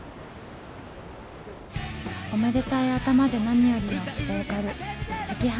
オメでたい頭でなによりのボーカル赤飯。